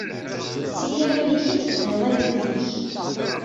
S yiɣil-ik i d-tefdiḍ agdud-ik.